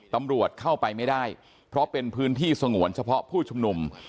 ตำรวจเข้าไปไม่ได้เพราะเป็นพื้นที่สงวนเฉพาะผู้ชุมนุม